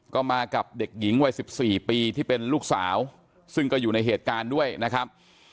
ก็มากับเด็กหญิงวัย๑๔ปีที่เป็นลูกสาวซึ่งก็อยู่ในเหตุการณ์ด้วยนะครับ